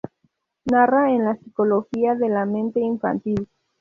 Narra en la psicología de la mente infantil.